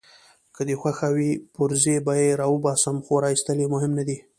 که دي خوښه وي پرزې به يې راوباسم، خو راایستل يې مهم نه دي.